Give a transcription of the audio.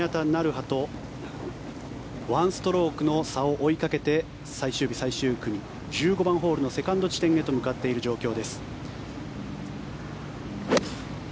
華と１ストロークの差を追いかけて最終日最終組１５番ホールのセカンド地点へと向かっている状況です。